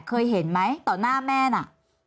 เคยเห็นไหมต่อหน้าแม่น่ะ